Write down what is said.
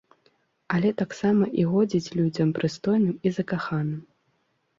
Але таксама і годзіць людзям прыстойным і закаханым.